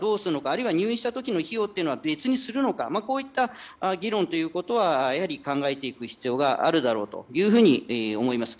あるいは入院した時の費用は別にするのかといった議論を考えていく必要はあると思います。